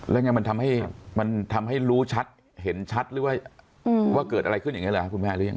แล้วไงมันทำให้มันทำให้รู้ชัดเห็นชัดหรือว่าว่าเกิดอะไรขึ้นอย่างนี้เหรอคุณแม่หรือยัง